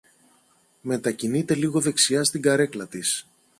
μετακινείται λίγο δεξιά στην καρέκλα της